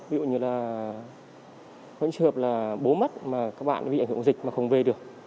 ví dụ như là những trường hợp là bố mất mà các bạn bị ảnh hưởng dịch mà không về được